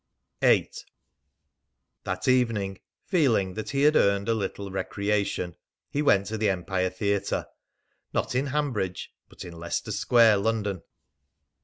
VIII. That evening, feeling that he had earned a little recreation, he went to the Empire Theatre not in Hanbridge, but in Leicester Square, London.